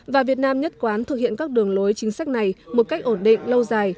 và việt nam nhất quán thực hiện các đường lối chính sách này một cách ổn định lâu dài